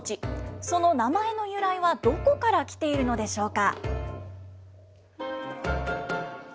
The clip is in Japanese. その名前の由来はどこから来ているのでしょうか。